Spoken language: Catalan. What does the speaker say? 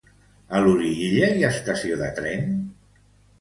A Loriguilla hi ha estació de tren?